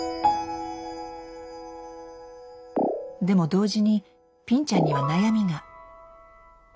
でも同時にぴんちゃんには悩みが。